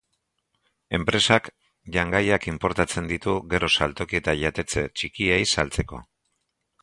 Enpresak jangaiak inportatzen ditu, gero saltoki eta jatetxe txikiei saltzeko.